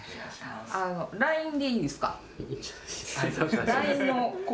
ＬＩＮＥでいいですか？